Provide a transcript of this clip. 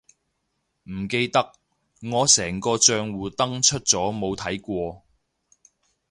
唔記得，我成個帳戶登出咗冇睇過